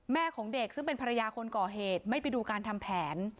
ของเด็กซึ่งเป็นภรรยาคนก่อเหตุไม่ไปดูการทำแผน